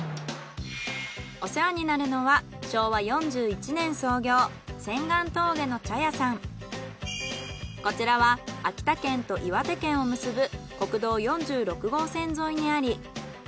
お世話になるのはこちらは秋田県と岩手県を結ぶ国道４６号線沿いにあり。